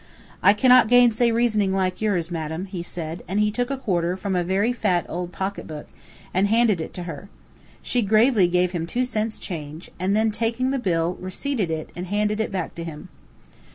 "I cannot gainsay reasoning like yours, madam," he said, and he took a quarter from a very fat old pocket book, and handed it to her. She gravely gave him two cents change, and then taking the bill, receipted it, and handed it back to him.